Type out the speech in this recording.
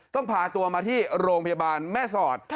พาตัวมาที่โรงพยาบาลแม่สอด